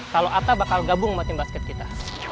kalau atta bakal gabung sama tim basket kita